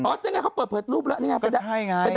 อ๋อนี่ไงเขาเปิดเผยรูปแล้ว